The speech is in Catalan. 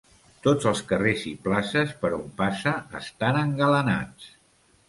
Tots els carrers i places per on passa estan engalanats.